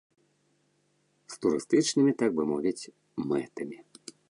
З турыстычнымі, так бы мовіць, мэтамі.